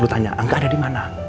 lu tanya angga ada dimana